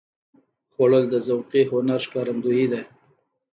خوړل د ذوقي هنر ښکارندویي ده